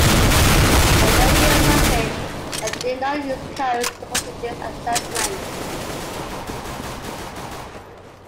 A radio message that did not use codes supported this assessment.